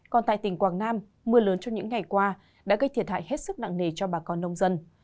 còn tại tỉnh quảng nam mưa lớn trong những ngày qua đã gây thiệt hại hết sức nặng nề cho bà con nông dân